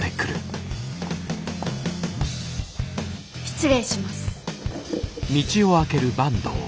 失礼します。